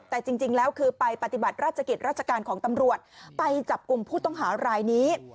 แต่จริงแล้วคือไปปฏิบัติราชกิจราชการของตำรวจไปจับกลุ่มผู้ต้องหารายนี้